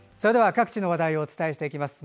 各地の話題をお伝えします。